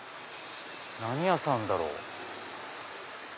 何屋さんだろう？